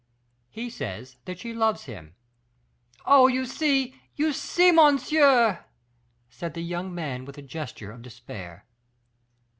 "He says that she loves him." "Oh, you see you see, monsieur!" said the young man, with a gesture of despair.